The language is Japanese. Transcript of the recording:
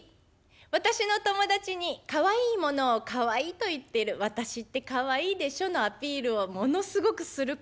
私の友達にかわいいものをかわいいと言ってる私ってかわいいでしょのアピールをものすごくする子がいるんです。